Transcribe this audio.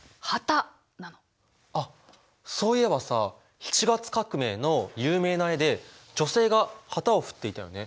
あっそういえばさ７月革命の有名な絵で女性が旗を振っていたよね。